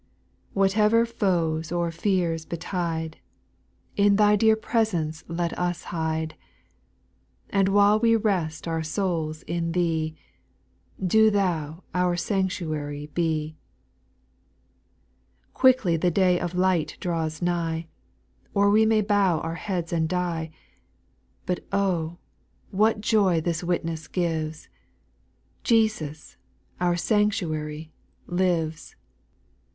2. Whatever foes or fears betide, Li Thy dear presence let us hide ; And while we rest our souls on Thee, Bo Thou our sanctuary be. 8. Quickly the day of light draws nigh, Or we may bow our heads and die ; But oh I what joy this witness gives I Jesus, our sanctuary, IWea. 9 98 SPIRITUAL HONGS.